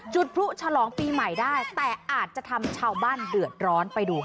จุดพลุฉลองปีใหม่ได้แต่อาจจะทำชาวบ้านเดือดร้อนไปดูค่ะ